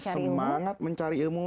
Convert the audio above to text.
semangat mencari ilmu